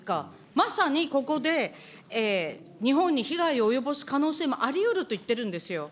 まさにここで、日本に被害を及ぼす可能性もありうると言っているんですよ。